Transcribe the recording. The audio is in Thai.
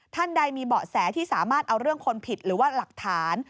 ท่านใดมีเบาะแสที่สามารถเอาเรื่องคนผิดหรือว่าหลักฐาน